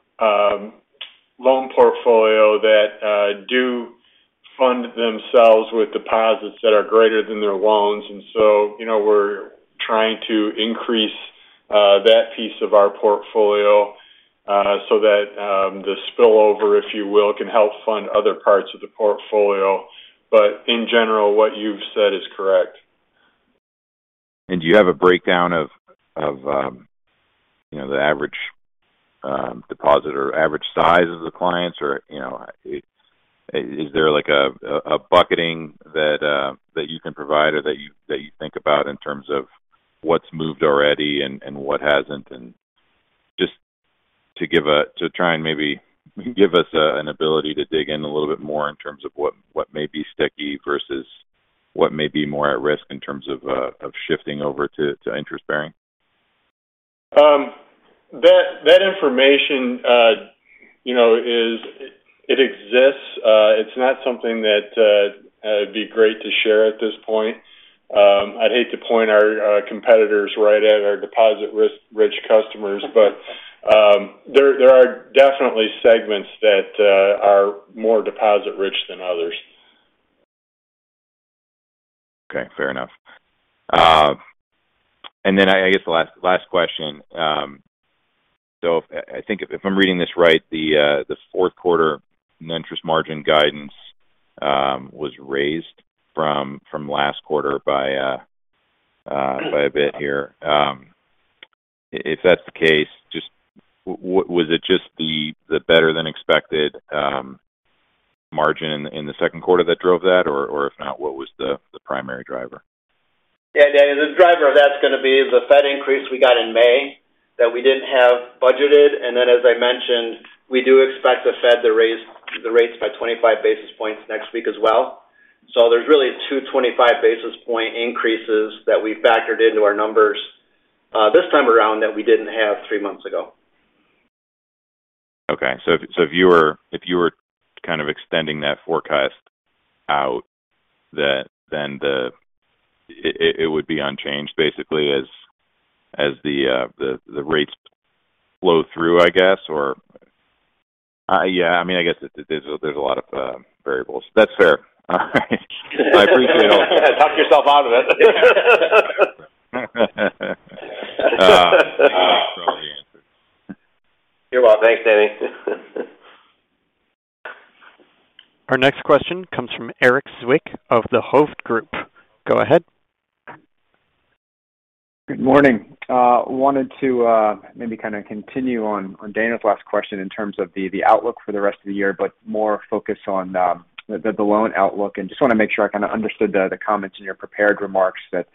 [SPEAKER 4] loan portfolio that do fund themselves with deposits that are greater than their loans. You know, we're trying to increase that piece of our portfolio so that the spillover, if you will, can help fund other parts of the portfolio. In general, what you've said is correct.
[SPEAKER 7] Do you have a breakdown of, you know, the average deposit or average size of the clients, or, you know, is there like a bucketing that you can provide or that you think about in terms of what's moved already and what hasn't, to try and maybe give us an ability to dig in a little bit more in terms of what may be sticky versus what may be more at risk in terms of shifting over to interest bearing?
[SPEAKER 4] That, that information, you know, it exists. It's not something that, would be great to share at this point. I'd hate to point our competitors right at our deposit risk-rich customers. There, there are definitely segments that, are more deposit-rich than others.
[SPEAKER 7] Okay, fair enough. I guess the last question. I think if I'm reading this right, this Q4 net interest margin guidance was raised from last quarter by a bit here. If that's the case, was it just the better-than-expected margin in the Q2 that drove that? Or, if not, what was the primary driver?
[SPEAKER 5] The driver of that's going to be the Fed increase we got in May that we didn't have budgeted. As I mentioned, we do expect the Fed to raise the rates by 25 basis points next week as well. There's really 2 25 basis point increases that we've factored into our numbers this time around that we didn't have three months ago.
[SPEAKER 7] Okay. If you were kind of extending that forecast out, that then the... it would be unchanged basically, as the rates flow through, I guess? Yeah, I mean, I guess there's a lot of variables. That's fair. I appreciate it.
[SPEAKER 5] Talk yourself out of it.
[SPEAKER 7] Probably answered.
[SPEAKER 5] You're welcome. Thanks, Danny.
[SPEAKER 1] Our next question comes from Erik Zwick of the Hovde Group. Go ahead.
[SPEAKER 8] Good morning. wanted to maybe kind of continue on Daniel's last question in terms of the outlook for the rest of the year, but more focused on the loan outlook. Just want to make sure I kind of understood the comments in your prepared remarks that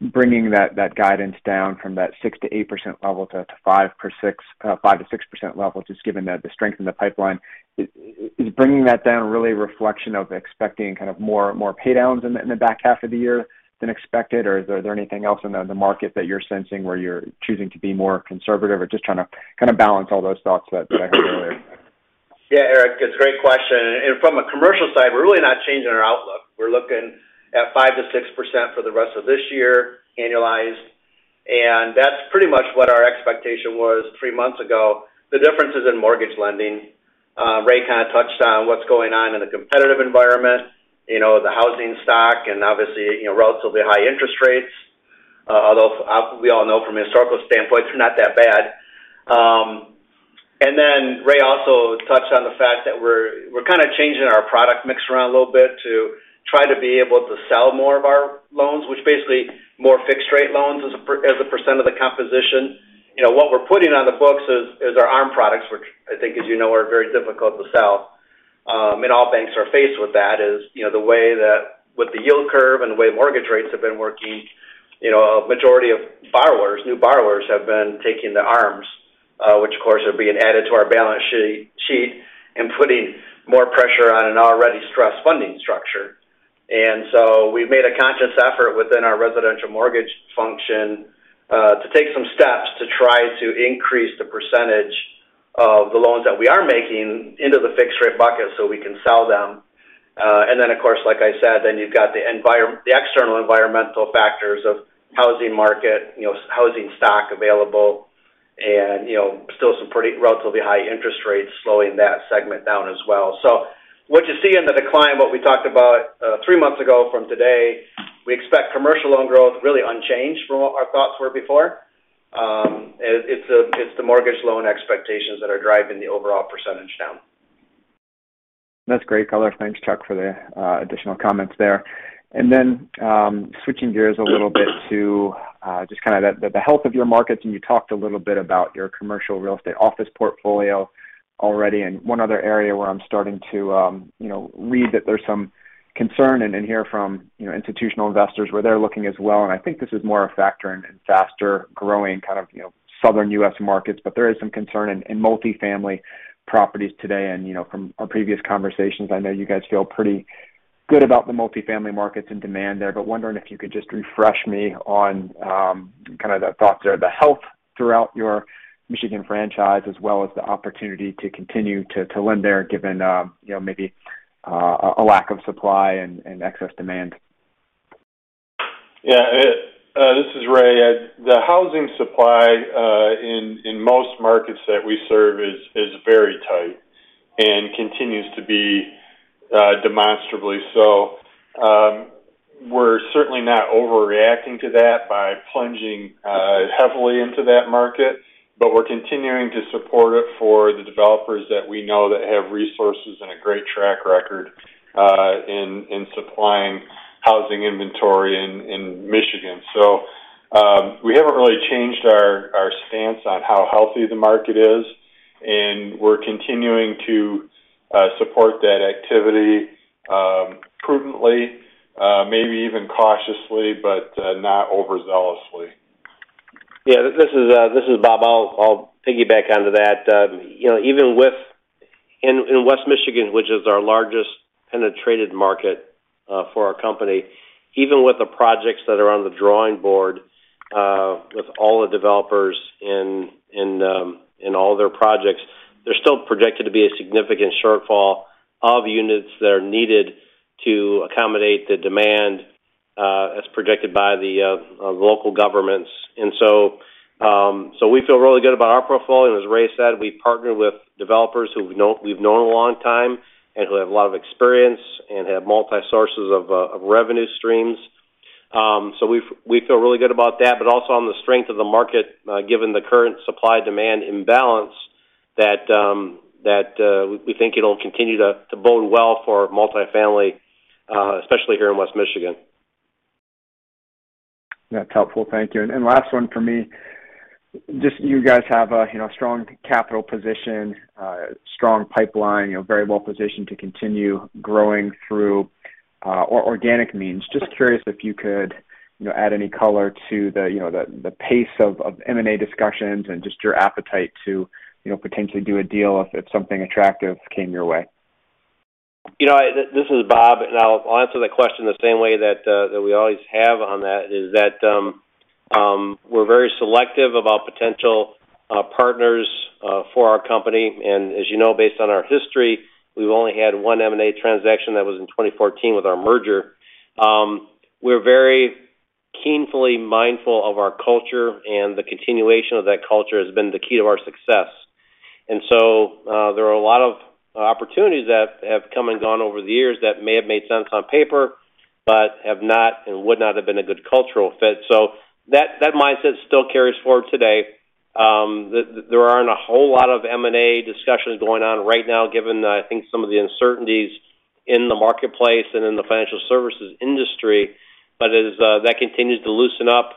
[SPEAKER 8] bringing that guidance down from that 6 to 8% level to 5 to 6% level, just given the strength in the pipeline. Is bringing that down really a reflection of expecting kind of more pay downs in the back half of the year than expected, or is there anything else in the market that you're sensing where you're choosing to be more conservative or just trying to kind of balance all those thoughts that I heard earlier?
[SPEAKER 5] Yeah, Erik, it's a great question. From a commercial side, we're really not changing our outlook. We're looking at 5 to 6% for the rest of this year, annualized. That's pretty much what our expectation was three months ago. The difference is in mortgage lending. Ray kind of touched on what's going on in the competitive environment, you know, the housing stock and obviously, you know, relatively high interest rates. Although, as we all know from a historical standpoint, they're not that bad. Ray also touched on the fact that we're kind of changing our product mix around a little bit to try to be able to sell more of our loans, which basically more fixed-rate loans as a percent of the composition. You know, what we're putting on the books is our arm products, which I think, as you know, are very difficult to sell. And all banks are faced with that is, you know, the way that with the yield curve and the way mortgage rates have been working, you know, a majority of borrowers, new borrowers, have been taking the arms, which of course, are being added to our balance sheet and putting more pressure on an already stressed funding structure. We've made a conscious effort within our residential mortgage function to take some steps to try to increase the percentage of the loans that we are making into the fixed-rate bucket so we can sell them. Of course, like I said, then you've got the external environmental factors of housing market, you know, housing stock available and, you know, still some pretty relatively high interest rates slowing that segment down as well. What you see in the decline, what we talked about, three months ago from today, we expect commercial loan growth really unchanged from what our thoughts were before. It's the mortgage loan expectations that are driving the overall percentage down.
[SPEAKER 8] That's great color. Thanks, Chuck, for the additional comments there. Switching gears a little bit to just kind of the health of your markets, and you talked a little bit about your commercial real estate office portfolio already. One other area where I'm starting to, you know, read that there's some concern and hear from, you know, institutional investors where they're looking as well, and I think this is more a factor in faster growing kind of, you know, southern U.S. markets. There is some concern in multifamily properties today. You know, from our previous conversations, I know you guys feel pretty good about the multifamily markets and demand there, but wondering if you could just refresh me on, kind of the thoughts there, the health throughout your Michigan franchise, as well as the opportunity to continue to lend there, given, you know, maybe, a lack of supply and excess demand.
[SPEAKER 4] Yeah, this is Ray. The housing supply in most markets that we serve is very tight and continues to be demonstrably so. We're certainly not overreacting to that by plunging heavily into that market, but we're continuing to support it for the developers that we know that have resources and a great track record in supplying housing inventory in Michigan. We haven't really changed our stance on how healthy the market is, and we're continuing to support that activity prudently. Maybe even cautiously, but not overzealously.
[SPEAKER 3] Yeah, this is Bob. I'll piggyback onto that. You know, in West Michigan, which is our largest penetrated market for our company, even with the projects that are on the drawing board, with all the developers in all their projects, there's still projected to be a significant shortfall of units that are needed to accommodate the demand as predicted by the local governments. We feel really good about our portfolio. As Ray said, we partner with developers who we've known a long time and who have a lot of experience and have multi sources of revenue streams. We feel really good about that, but also on the strength of the market, given the current supply-demand imbalance, that, we think it'll continue to bode well for multifamily, especially here in West Michigan.
[SPEAKER 8] That's helpful. Thank you. Last one for me. Just you guys have a, you know, strong capital position, strong pipeline, you know, very well positioned to continue growing through organic means. Just curious if you could, you know, add any color to the pace of M&A discussions and just your appetite to, you know, potentially do a deal if something attractive came your way?
[SPEAKER 3] You know, This is Bob, I'll answer the question the same way that we always have on that, is that we're very selective about potential partners for our company. As you know, based on our history, we've only had one M&A transaction. That was in 2014 with our merger. We're very keenly mindful of our culture, and the continuation of that culture has been the key to our success. There are a lot of opportunities that have come and gone over the years that may have made sense on paper, but have not and would not have been a good cultural fit. That, that mindset still carries forward today. There aren't a whole lot of M&A discussions going on right now, given, I think, some of the uncertainties in the marketplace and in the financial services industry. As that continues to loosen up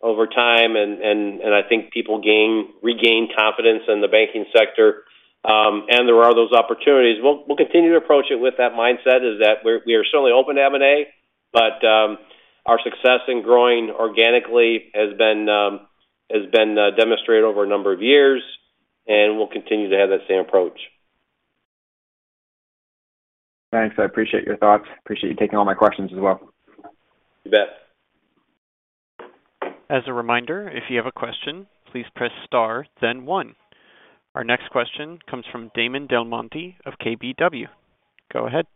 [SPEAKER 3] over time and I think people regain confidence in the banking sector, and there are those opportunities. We'll continue to approach it with that mindset, is that we are certainly open to M&A, but our success in growing organically has been demonstrated over a number of years, and we'll continue to have that same approach.
[SPEAKER 8] Thanks. I appreciate your thoughts. Appreciate you taking all my questions as well.
[SPEAKER 3] You bet.
[SPEAKER 1] As a reminder, if you have a question, please press star, then one. Our next question comes from Damon DelMonte of KBW. Go ahead.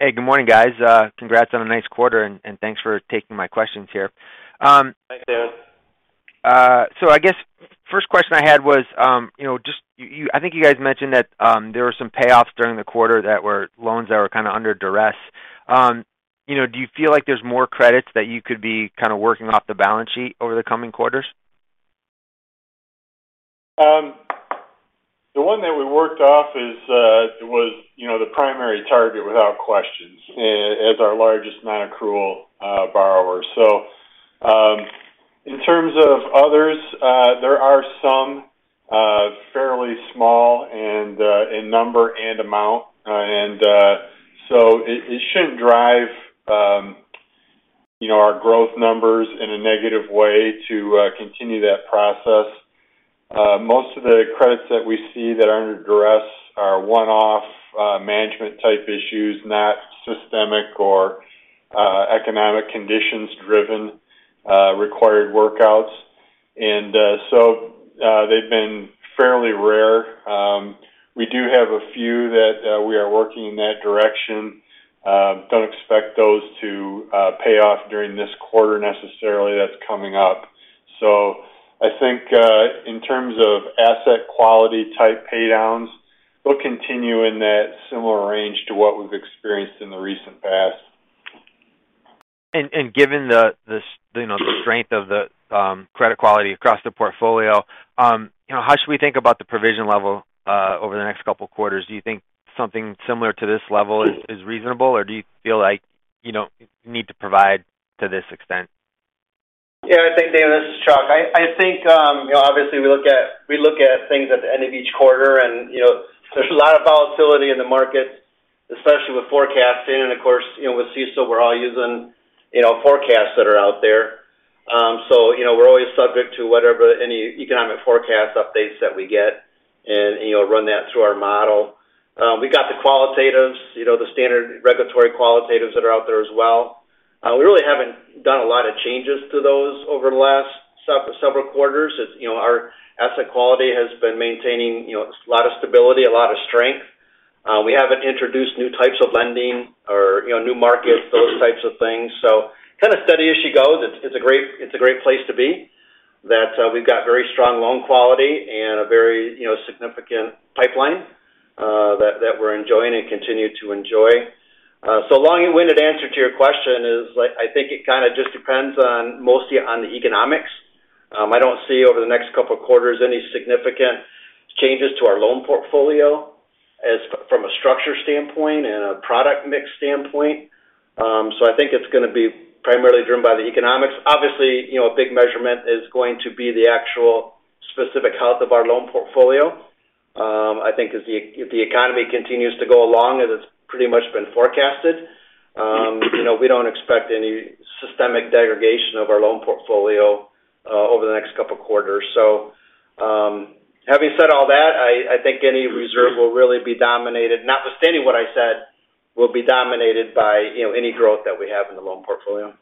[SPEAKER 9] Hey, good morning, guys. Congrats on a nice quarter, and thanks for taking my questions here.
[SPEAKER 4] Thanks, Damon.
[SPEAKER 9] I guess first question I had was, you know, just I think you guys mentioned that there were some payoffs during the quarter that were loans that were kind of under duress. You know, do you feel like there's more credits that you could be kind of working off the balance sheet over the coming quarters?
[SPEAKER 4] The one that we worked off is, you know, the primary target without questions as our largest nonaccrual borrower. In terms of others, there are some fairly small and in number and amount, so it shouldn't drive, you know, our growth numbers in a negative way to continue that process. Most of the credits that we see that are under duress are one-off, management-type issues, not systemic or economic conditions driven, required workouts. They've been fairly rare. We do have a few that we are working in that direction. Don't expect those to pay off during this quarter necessarily that's coming up. I think, in terms of asset quality type paydowns, we'll continue in that similar range to what we've experienced in the recent past.
[SPEAKER 9] Given the, you know, the strength of the credit quality across the portfolio, you know, how should we think about the provision level over the next couple of quarters? Do you think something similar to this level is reasonable, or do you feel like, you know, you need to provide to this extent?
[SPEAKER 3] Yeah, I think, Damon, this is Chuck. I think, you know, obviously, we look at things at the end of each quarter, and, you know, there's a lot of volatility in the market, especially with forecasting. Of course, you know, with CECL, we're all using, you know, forecasts that are out there. We're always subject to whatever any economic forecast updates that we get and, you know, run that through our model. We got the qualitatives, you know, the standard regulatory qualitatives that are out there as well. We really haven't done a lot of changes to those over the last several quarters. As you know, our asset quality has been maintaining, you know, a lot of stability, a lot of strength. We haven't introduced new types of lending or, you know, new markets, those types of things. Kind of steady as she goes. It's a great place to be, that we've got very strong loan quality and a very, you know, significant pipeline, that we're enjoying and continue to enjoy. Long-winded answer to your question is, I think it kind of just depends on, mostly on the economics. I don't see over the next couple of quarters any significant changes to our loan portfolio from a structure standpoint and a product mix standpoint. I think it's gonna be primarily driven by the economics. Obviously, you know, a big measurement is going to be the actual specific health of our loan portfolio.
[SPEAKER 5] I think as the, if the economy continues to go along, as it's pretty much been forecasted, you know, we don't expect any systemic degradation of our loan portfolio over the next couple of quarters. Having said all that, I think any reserve will really be dominated, notwithstanding what I said, will be dominated by, you know, any growth that we have in the loan portfolio.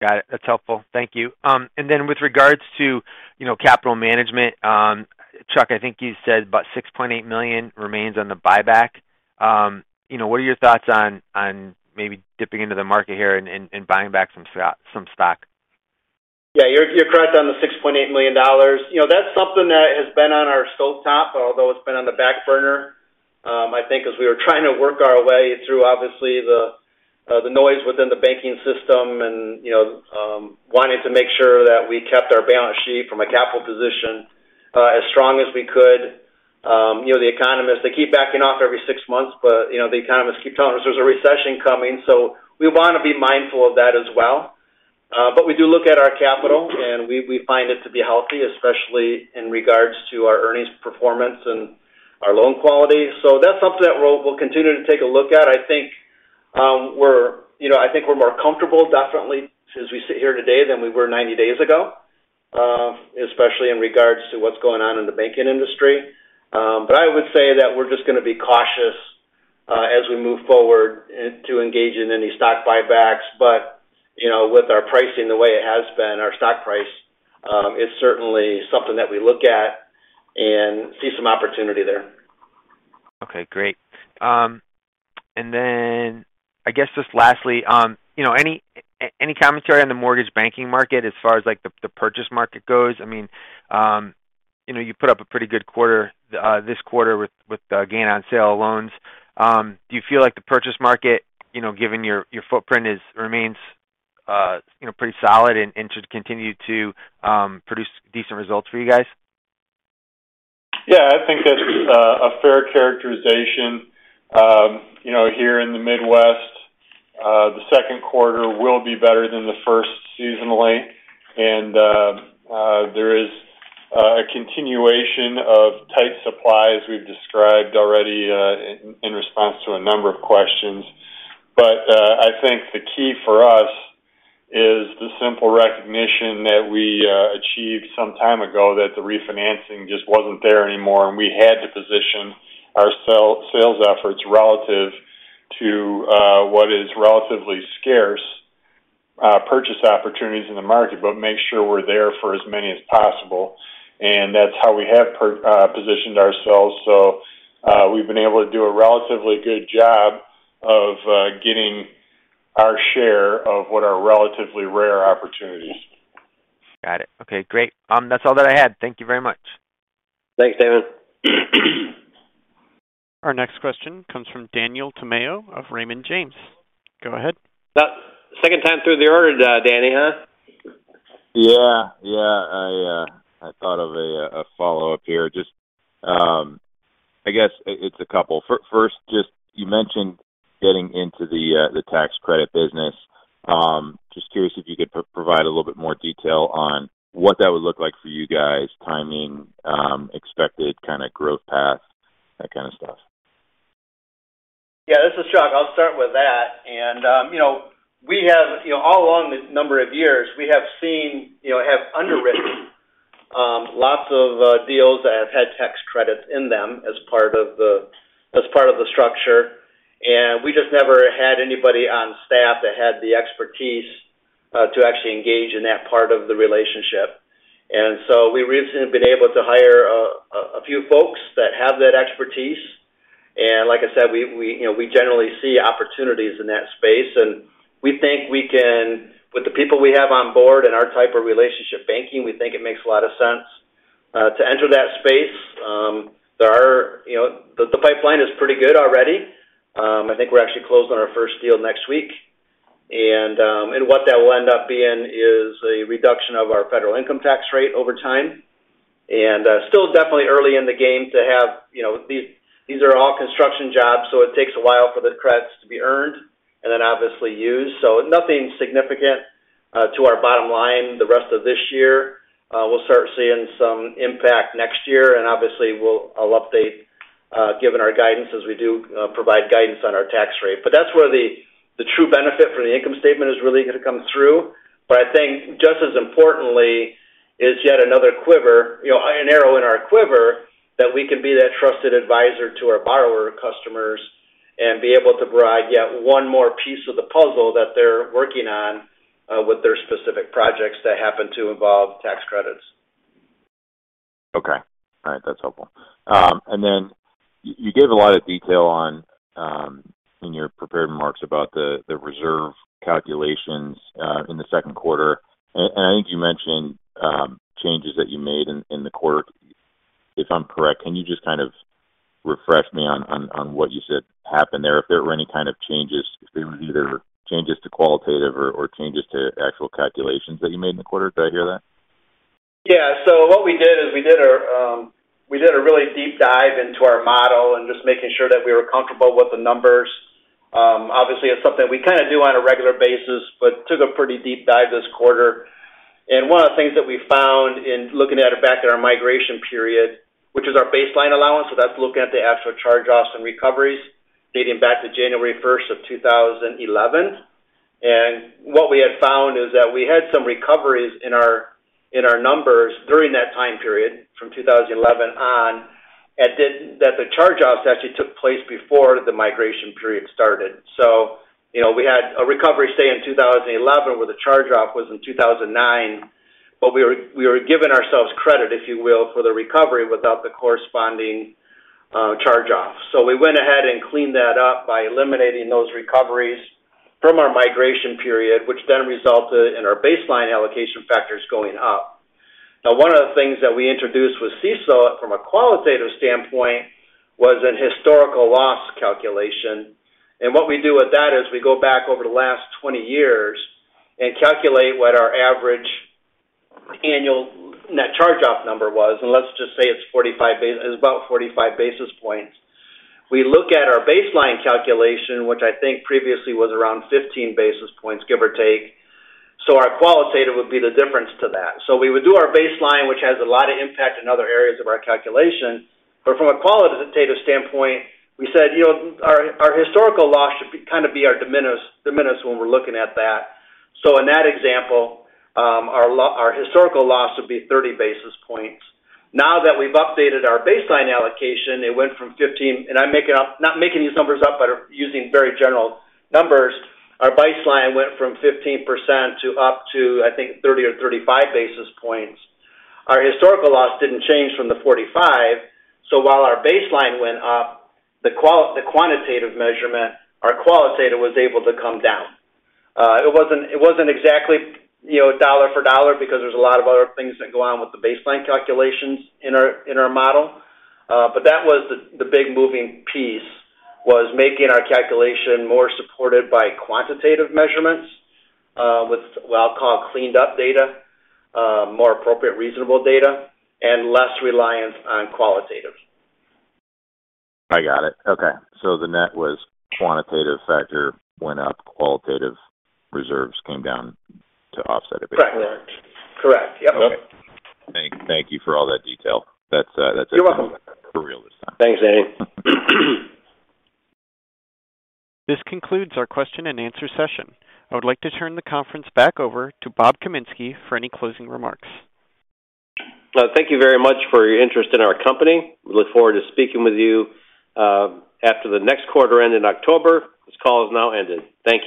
[SPEAKER 9] Got it. That's helpful. Thank you. With regards to, you know, capital management, Chuck, I think you said about $6.8 million remains on the buyback. You know, what are your thoughts on maybe dipping into the market here and buying back some stock?
[SPEAKER 5] Yeah, you're correct on the $6.8 million. You know, that's something that has been on our stovetop, although it's been on the back burner. I think as we were trying to work our way through, obviously, the noise within the banking system and, you know, wanting to make sure that we kept our balance sheet from a capital position as strong as we could. You know, the economists, they keep backing off every six months, but, you know, the economists keep telling us there's a recession coming. We want to be mindful of that as well. We do look at our capital, and we find it to be healthy, especially in regards to our earnings performance and our loan quality. That's something that we'll continue to take a look at. I think, we're, you know, I think we're more comfortable, definitely, as we sit here today, than we were 90 days ago, especially in regards to what's going on in the banking industry. I would say that we're just gonna be cautious, as we move forward to engage in any stock buybacks. You know, with our pricing, the way it has been, our stock price, it's certainly something that we look at and see some opportunity there.
[SPEAKER 9] Okay, great. I guess just lastly, you know, any commentary on the mortgage banking market as far as, like, the purchase market goes? I mean, you know, you put up a pretty good quarter this quarter with the gain on sale loans. Do you feel like the purchase market, you know, given your footprint remains, you know, pretty solid and should continue to produce decent results for you guys?
[SPEAKER 4] Yeah, I think that's a fair characterization. You know, here in the Midwest, the Q2 will be better than the first seasonally. There is a continuation of tight supply, as we've described already, in response to a number of questions. I think the key for us is the simple recognition that we achieved some time ago, that the refinancing just wasn't there anymore, and we had to position our sales efforts relative to what is relatively scarce purchase opportunities in the market, but make sure we're there for as many as possible. That's how we have positioned ourselves. We've been able to do a relatively good job of getting our share of what are relatively rare opportunities.
[SPEAKER 9] Got it. Okay, great. That's all that I had. Thank you very much.
[SPEAKER 5] Thanks, David.
[SPEAKER 1] Our next question comes from Daniel Tamayo of Raymond James. Go ahead.
[SPEAKER 5] Second time through the order, Danny, huh?
[SPEAKER 7] Yeah. Yeah. I thought of a follow-up here. Just, I guess it's a couple. First, just you mentioned getting into the tax credit business. Just curious if you could provide a little bit more detail on what that would look like for you guys, timing, expected kind of growth path, that kind of stuff.
[SPEAKER 5] Yeah, this is Chuck. I'll start with that. You know, all along the number of years, we have seen have underwritten lots of deals that have had tax credits in them as part of the structure. We just never had anybody on staff that had the expertise to actually engage in that part of the relationship. We recently have been able to hire a few folks that have that expertise. Like I said, we, you know, we generally see opportunities in that space, we think with the people we have on board and our type of relationship banking, we think it makes a lot of sense to enter that space. There are, you know, the pipeline is pretty good already. I think we're actually closed on our first deal next week. What that will end up being is a reduction of our federal income tax rate over time. Still definitely early in the game to have, you know, these are all construction jobs, so it takes a while for the credits to be earned and then obviously used. Nothing significant to our bottom line, the rest of this year. We'll start seeing some impact next year, and obviously, I'll update given our guidance, as we do provide guidance on our tax rate. That's where the true benefit for the income statement is really going to come through. I think just as importantly, is yet another quiver, you know, arrow in our quiver, that we can be that trusted advisor to our borrower customers and be able to provide yet one more piece of the puzzle that they're working on with their specific projects that happen to involve tax credits.
[SPEAKER 7] Okay. All right. That's helpful. Then you gave a lot of detail on in your prepared remarks about the reserve calculations in the Q2. I think you mentioned changes that you made in the quarter, if I'm correct. Can you just kind of refresh me on what you said happened there? If there were any kind of changes, if there were either changes to qualitative or changes to actual calculations that you made in the quarter? Did I hear that?
[SPEAKER 5] Yeah. What we did is we did a really deep dive into our model and just making sure that we were comfortable with the numbers. Obviously, it's something we kind of do on a regular basis, but took a pretty deep dive this quarter. One of the things that we found in looking at it back in our migration period, which is our baseline allowance, so that's looking at the actual charge-offs and recoveries dating back to January 1st of 2011. What we had found is that we had some recoveries in our numbers during that time period, from 2011 on, that the charge-offs actually took place before the migration period started. You know, we had a recovery, say, in 2011, where the charge-off was in 2009, but we were giving ourselves credit, if you will, for the recovery without the corresponding charge-off. We went ahead and cleaned that up by eliminating those recoveries from our migration period, which then resulted in our baseline allocation factors going up. One of the things that we introduced with CECL from a qualitative standpoint, was an historical loss calculation. What we do with that is we go back over the last 20 years and calculate what our average annual net charge-off number was. Let's just say it's about 45 basis points. We look at our baseline calculation, which I think previously was around 15 basis points, give or take. Our qualitative would be the difference to that. We would do our baseline, which has a lot of impact in other areas of our calculation. From a qualitative standpoint, we said, you know, our historical loss should be, kind of be our diminus when we're looking at that. In that example, our historical loss would be 30 basis points. Now that we've updated our baseline allocation, it went from 15, and I'm not making these numbers up, but are using very general numbers. Our baseline went from 15% to up to, I think, 30 or 35 basis points. Our historical loss didn't change from the 45, while our baseline went up, the quantitative measurement, our qualitative was able to come down. It wasn't, it wasn't exactly, you know, dollar for dollar, because there's a lot of other things that go on with the baseline calculations in our, in our model. That was the big moving piece, was making our calculation more supported by quantitative measurements, with what I'll call cleaned up data, more appropriate, reasonable data, and less reliance on qualitative.
[SPEAKER 7] I got it. Okay. The net was quantitative factor went up, qualitative reserves came down to offset it?
[SPEAKER 5] Correct. Correct. Yep.
[SPEAKER 7] Okay. Thank you for all that detail.
[SPEAKER 5] You're welcome.
[SPEAKER 7] For real this time.
[SPEAKER 5] Thanks, Danny.
[SPEAKER 1] This concludes our question and answer session. I would like to turn the conference back over to Bob Kaminski for any closing remarks.
[SPEAKER 3] Thank you very much for your interest in our company. We look forward to speaking with you after the next quarter end in October. This call has now ended. Thank you.